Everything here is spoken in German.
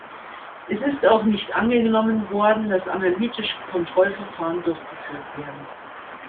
Es ist auch nicht angenommen worden, dass analytische Kontrollverfahren durchgeführt werden.